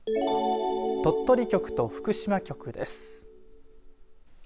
鳥取局と福島局です。